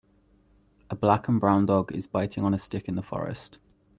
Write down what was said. A black and brown dog is biting on a stick in the forest.